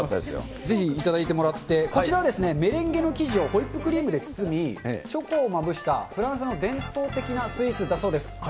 こちらですね、メレンゲの生地をホイップクリームで包み、チョコをまぶしたフランスの伝統的なスイーツだそうです。